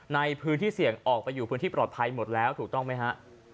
ในพื้นที่เสี่ยงออกไปอยู่พื้นที่ปลอดภัยหมดแล้วถูกต้องไหมฮะ